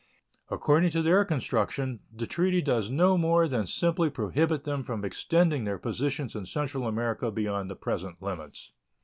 According to their construction, the treaty does no more than simply prohibit them from extending their possessions in Central America beyond the present limits.